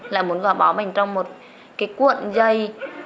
là muốn gò bó mình trong một cái cuộn dây